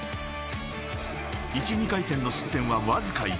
１、２回戦の失点はわずか１。